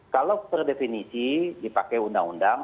kalau per definisi dipakai undang undang